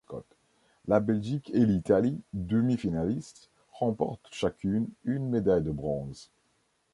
La Belgique et l'Italie, demi-finalistes, remportent chacune une médaille de bronze.